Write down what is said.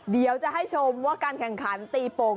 เดี๋ยวจะให้ชมว่าการแข่งขันตีโป่ง